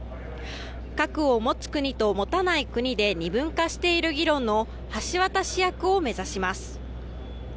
核を持つ国と持たない国で二分化している議論の橋渡し役を目指します。